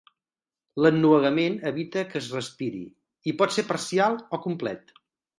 L'ennuegament evita que es respiri i pot ser parcial o complet.